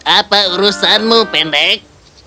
apa urusanmu pendek